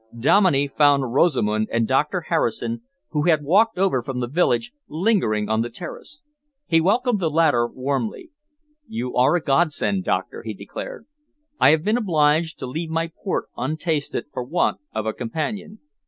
Dominey found Rosamund and Doctor Harrison, who had walked over from the village, lingering on the terrace. He welcomed the latter warmly. "You are a godsend, Doctor," he declared. "I have been obliged to leave my port untasted for want of a companion.